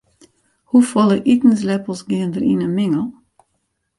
Hoefolle itensleppels geane der yn in mingel?